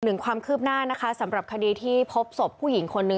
หนึ่งความคืบหน้านะคะสำหรับคดีที่พบศพผู้หญิงคนนึง